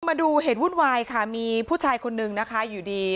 มาดูเหตุวุ่นวายค่ะมีผู้ชายคนนึงนะคะอยู่ดี